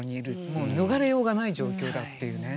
もう逃れようがない状況だっていうね。